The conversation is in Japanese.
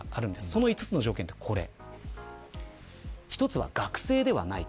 その５つの条件はこれ。